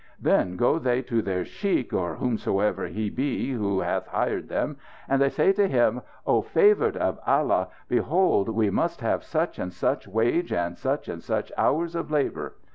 Then go they to their sheikh or whomever he be who hath hired them, and they say to him: 'Oh, favoured of Allah, behold we must have such and such wage and such and such hours of labour!'